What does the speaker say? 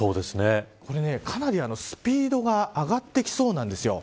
これ、かなりスピードが上がってきそうなんです。